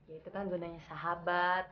itu kan gunanya sahabat